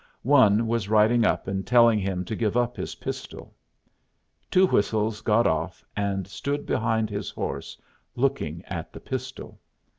One was riding up and telling him to give up his pistol. Two Whistles got off and stood behind his horse, looking at the pistol.